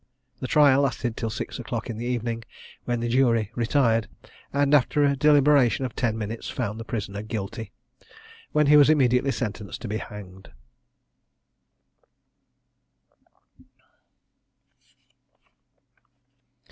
The trial lasted till six o'clock in the evening, when the jury retired, and, after a deliberation of ten minutes, found the prisoner Guilty, when he was immediately sentenced to be hanged.